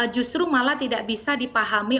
justru malah tidak bisa dipahami